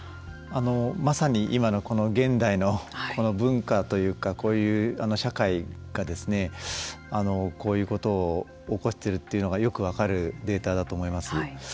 まさに今のこの現代のこの文化というかこういう社会がこういうことを起こしているというのがよく分かるデータだと思います。